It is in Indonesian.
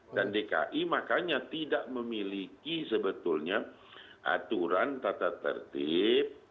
dan dki makanya tidak memiliki sebetulnya aturan tata tertib